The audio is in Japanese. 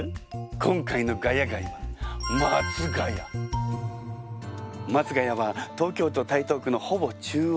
今回の「ヶ谷街」は松が谷は東京都台東区のほぼ中央。